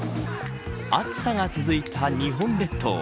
暑さが続いた日本列島